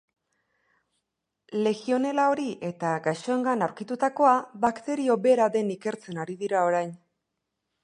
Legionella hori eta gaixoengan aurkitutakoa bakterio bera den ikertzen ari dira orain.